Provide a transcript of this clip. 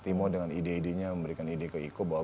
timur dengan ide idenya memberikan ide ke iko bahwa